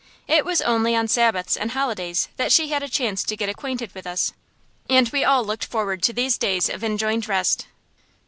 It was only on Sabbaths and holidays that she had a chance to get acquainted with us, and we all looked forward to these days of enjoined rest.